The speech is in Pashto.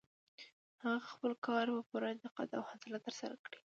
هغې خپل کار په پوره دقت او حوصله ترسره کړ.